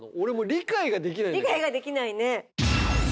理解ができないね。